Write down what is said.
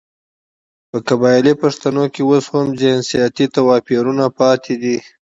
په قبايلي پښتانو کې اوس هم جنسيتي تواپيرونه پاتې دي .